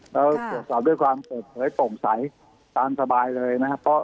เราตรวจสอบด้วยความเปิดเผยโปร่งใสตามสบายเลยนะครับ